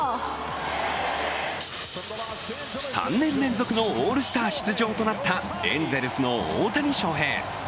３年連続のオールスター出場となった、エンゼルスの大谷翔平。